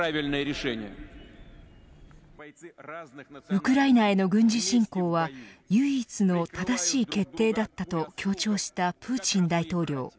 ウクライナへの軍事侵攻は唯一の正しい決定だったと強調したプーチン大統領。